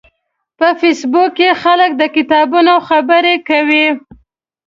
په فېسبوک کې خلک د کتابونو خبرې کوي